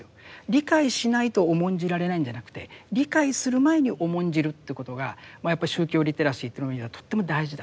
理解しないと重んじられないんじゃなくて理解する前に重んじるということがやっぱり宗教リテラシーという意味ではとっても大事だ。